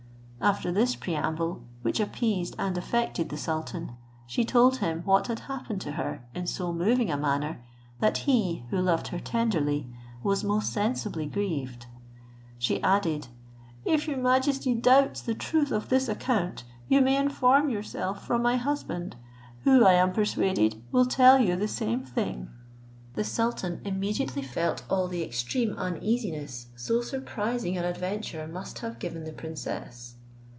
After this preamble, which appeased and affected the sultan, she told him what had happened to her in so moving a manner, that he, who loved her tenderly, was most sensibly grieved. She added, "If your majesty doubts the truth of this account, you may inform yourself from my husband, who, I am persuaded, will tell you the same thing." The sultan immediately felt all the extreme uneasiness so surprising an adventure must have given the princess.